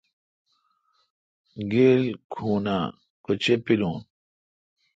گیل کھوناں کہ چے° پِلون؟